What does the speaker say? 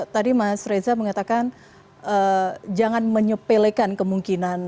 tadi mas reza mengatakan jangan menyepelekan kemungkinan